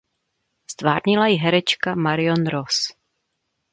Ztvárnila ji herečka Marion Ross.